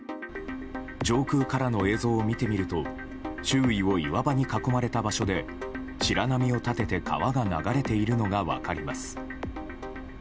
上空からの映像を見てみると周囲を岩場に囲まれた場所で白波を立てて川が流れているのが分かります。